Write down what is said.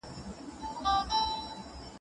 د بل عزت ته درناوی وکړئ.